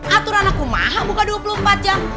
aturan aku mahal buka dua puluh empat jam